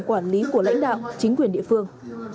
quản lý của lãnh đạo chính quyền địa phương